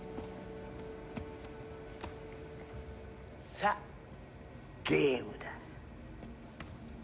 さあゲームだ。